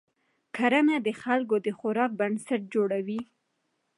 کرنه د خلکو د خوراک بنسټ جوړوي